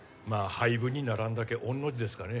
廃部にならんだけ御の字ですかね